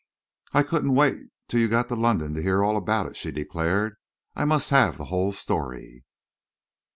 "I couldn't wait till you got to London to hear all about it," she declared. "I must have the whole story."